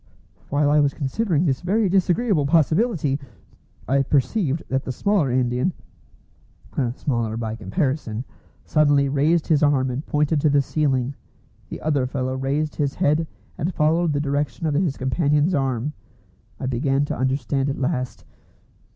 While I was considering this very disagreeable possibility, I perceived that the smaller Indian (smaller by comparison) suddenly raised his arm and pointed to the ceiling. The other fellow raised his head and followed the direction of his companion's arm. I began to understand at last.